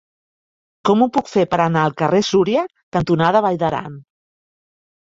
Com ho puc fer per anar al carrer Súria cantonada Vall d'Aran?